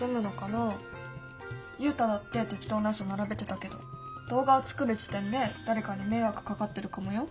ユウタだって適当なうそ並べてたけど動画を作る時点で誰かに迷惑かかってるかもよ？